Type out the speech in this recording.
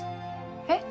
えっ？